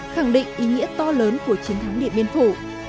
khẳng định ý nghĩa to lớn của chiến thắng điện biên phủ